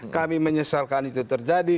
kami menyesalkan itu terjadi